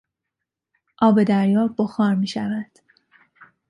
آب دریا بخار میشود.